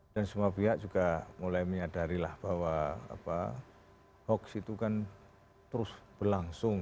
dan semua pihak juga mulai menyadarilah bahwa hoax itu kan terus berlangsung